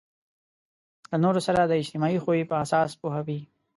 له نورو سره د اجتماعي خوی په اساس پوهوي.